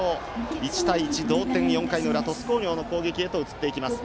１対１、同点で４回の裏鳥栖工業の攻撃へと移ります。